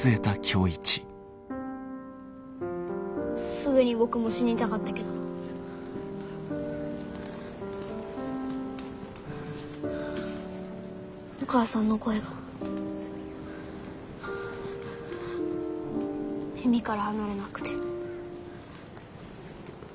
すぐに僕も死にたかったけどお母さんの声が耳から離れなくて。